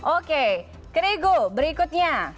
oke kerigu berikutnya